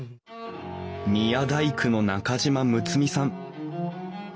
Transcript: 宮大工の中島睦巳さん。